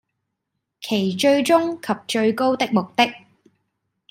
其最終及最高的目的